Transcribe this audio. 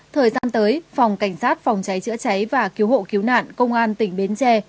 thời gian tới phòng cảnh sát phòng cháy chữa cháy và cứu hộ cứu nạn công an tỉnh bến tre